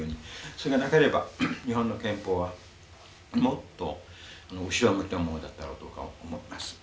それがなければ日本の憲法はもっと後ろ向きなものだったろうと僕は思います。